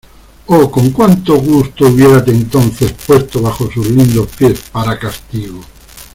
¡ oh, con cuánto gusto hubiérate entonces puesto bajo sus lindos pies para castigo!